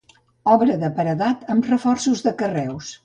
Obra de paredat amb reforços de carreus.